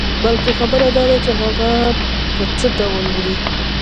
بلکې خبره داده چې هغه په څه ډول وړې.